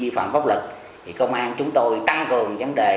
khi vi phạm pháp lực công an chúng tôi tăng cường vấn đề